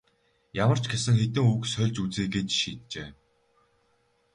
Ямар ч гэсэн хэдэн үг сольж үзье гэж шийджээ.